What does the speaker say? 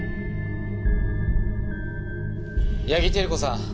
八木照子さん